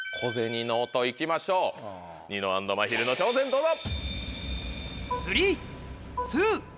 いきましょうニノ＆まひるの挑戦どうぞ！